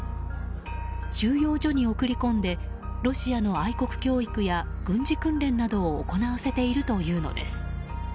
収容所に送り込んでロシアの愛国教育や軍事訓練などを行わせているというのです。